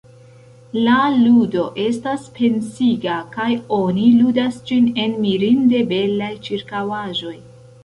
La ludo estas pensiga, kaj oni ludas ĝin en mirinde belaj ĉirkaŭaĵoj.